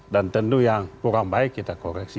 tentu yang kurang baik kita koreksi